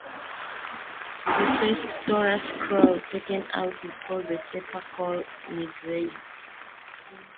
The first Torah-scroll taken out is called the "Sefer Kol Nidrei".